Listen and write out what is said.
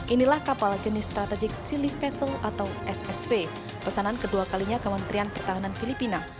inilah kapal jenis strategik sili vessel atau ssv pesanan kedua kalinya kementerian pertahanan filipina